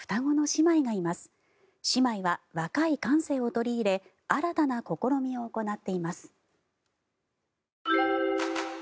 姉妹は若い感性を取り入れ新たな試みを行っています。